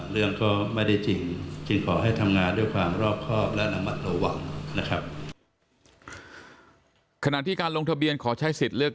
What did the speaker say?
เรื่องก็ไม่ได้จริงครั้งหน้าที่การลงเทียมขอใช้สิทธิ์เลือก